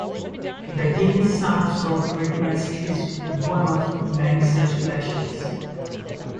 The Guinness Sounds of Greatness is one of many such clashes.